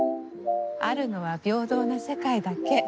あるのは平等な世界だけ。